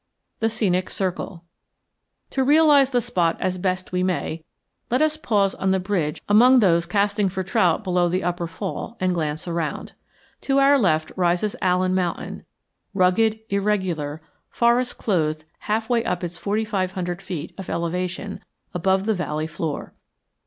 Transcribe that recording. THE SCENIC CIRCLE To realize the spot as best we may, let us pause on the bridge among those casting for trout below the upper fall and glance around. To our left rises Allen Mountain, rugged, irregular, forest clothed half way up its forty five hundred feet of elevation above the valley floor.